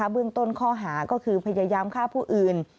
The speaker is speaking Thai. เบื้องต้นข้อหาก็คือพยายามฆ่าผู้อื่น